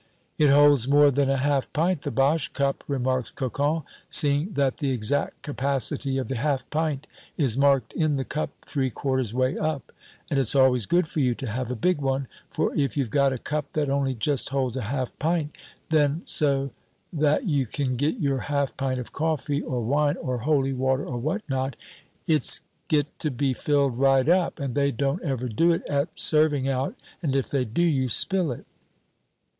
"It holds more than a half pint, the Boche cup," remarks Cocon, "seeing that the exact capacity of the half pint is marked in the cup three quarters way up; and it's always good for you to have a big one, for if you've got a cup that only just holds a half pint, then so that you can get your half pint of coffee or wine or holy water or what not, it's get to be filled right up, and they don't ever do it at serving out, and if they do, you spill it."